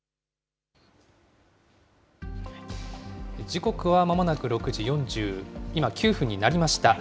時刻はまもなく６時、今４９分になりました。